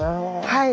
はい。